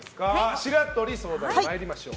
白鳥相談員参りましょう。